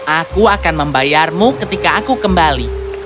aku akan membayarmu ketika aku kembali